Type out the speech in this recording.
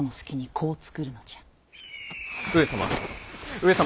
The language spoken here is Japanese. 上様！